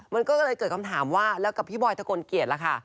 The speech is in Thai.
มันก็เลยเกิดคำถามว่าแล้วกับพี่บอยทะกลเกียจล่ะค่ะ